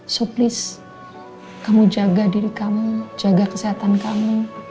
so please kamu jaga diri kamu jaga kesehatan kamu